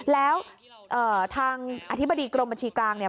แล้วทางอธิบดีกรมบัญชีกลางเนี่ย